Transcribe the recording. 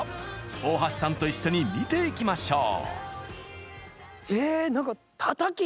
大橋さんと一緒に見ていきましょう！